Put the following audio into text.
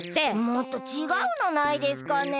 もっとちがうのないですかね？